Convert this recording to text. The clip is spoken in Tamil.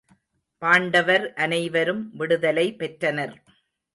பாண்டவர் அனைவரும் விடுதலை பெற்றனர்.